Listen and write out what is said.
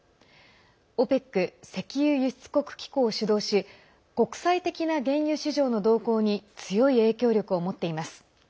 ＯＰＥＣ＝石油輸出国機構を主導し国際的な原油市場の動向に強い影響力を持っています。